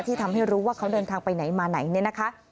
ทำให้รู้ว่าเขาเดินทางไปไหนมาไหนเนี่ยนะคะ